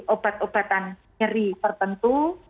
obat obatan nyeri tertentu